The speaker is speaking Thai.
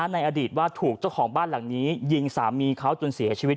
ในอดีตว่าถูกเจ้าของบ้านหลังนี้ยิงสามีเขาจนเสียชีวิต